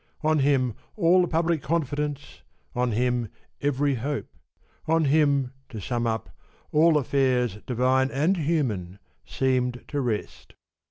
On him all the public confidence, on him every hope, on him, to sum up, all affairs divine and human seemed to rest.